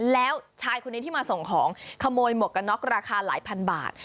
แล้วชายคนนี้ที่มาส่งของขโมยหมวกกันน็อกราคาหลายพันบาท